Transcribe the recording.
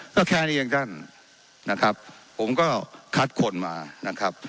ก็แค่นี้เองท่านนะครับผมก็คัดคนมานะครับ